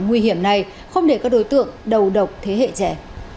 nguy hiểm này không để các đối tượng đầu độc thế hệ trẻ